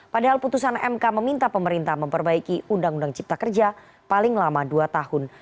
padahal putusan mk meminta pemerintah memperbaiki undang undang cipta kerja paling lama dua tahun